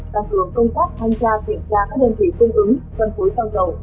tăng cường công tác thanh tra kiểm tra các đơn vị cung ứng phân phối xăng dầu